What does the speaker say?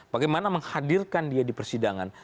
bagaimana menghadirkan dia di persidangan